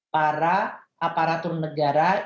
para aparatur negara